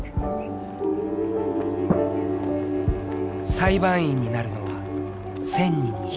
裁判員になるのは１０００人に１人。